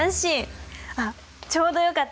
あっちょうどよかった！